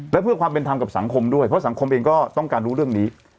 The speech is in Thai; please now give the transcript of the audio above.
และเพื่อความเป็นธรรมกับสังคมด้วยเพราะสังคมเองก็ต้องการรู้เรื่องนี้